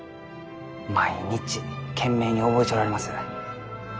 毎日懸命に覚えちょられます。